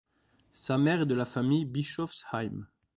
Sa mère est de la famille Bischoffsheim.